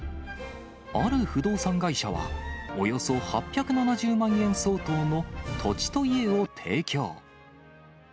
ある不動産会社は、およそ８７０万円相当の土地と家を提供。